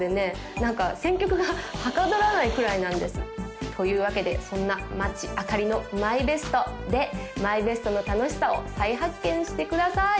何か選曲がはかどらないくらいなんですというわけでそんな町あかりのＭＹＢＥＳＴでＭＹＢＥＳＴの楽しさを再発見してください